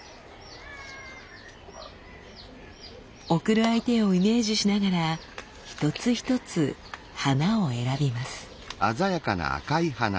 贈る相手をイメージしながら一つ一つ花を選びます。